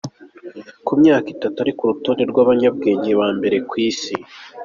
Ku myaka itatu ari ku rutonde rw’abanyabwenge ba mbere ku isi